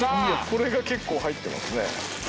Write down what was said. これが結構入ってますね。